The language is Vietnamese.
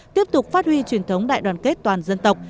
tiếp tục phát huy truyền thống đại đoàn kết toàn dân tộc